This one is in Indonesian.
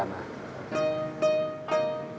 banyak belajar disana